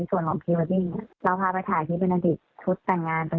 ตอนนี้จะเหนือที่ยังไม่จ่ายค่ะ